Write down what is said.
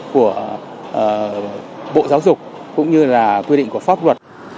của bộ giáo dục cũng như là quy định của pháp luật